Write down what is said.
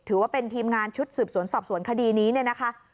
ถือว่าเป็นทีมงานชุดสืบสวนสอบสวนคดีนี้เนี่ยนะคะ